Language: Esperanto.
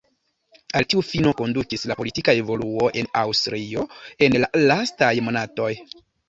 Al tiu fino kondukis la politika evoluo en Aŭstrio en la lastaj monatoj.